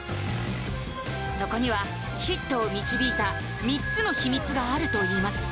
そこにはヒットを導いた３つの秘密があるといいます